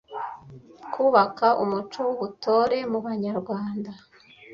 kubaka umuco w’Ubutore mu banyarwanda.